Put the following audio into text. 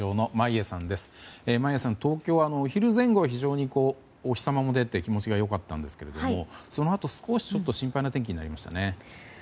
眞家さん、東京はお昼前後は非常にお日様も出て気持ちがよかったんですがそのあと、少しちょっと心配な天気になりましたね。